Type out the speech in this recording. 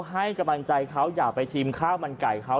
ให้กำลังใจเขาอยากไปชิมข้าวมันไก่เขา